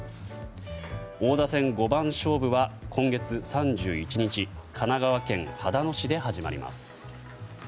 王座戦五番勝負は今月３１日神奈川県秦野市で始まります。